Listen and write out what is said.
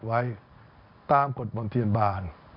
ไว้ตามกฎบนเทียนบาล